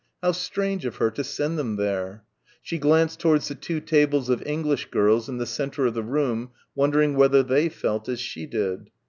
How strange of her to send them there.... She glanced towards the two tables of English girls in the centre of the room wondering whether they felt as she did....